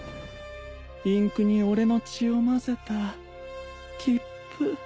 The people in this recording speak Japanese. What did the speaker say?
インクに俺の血を混ぜた切符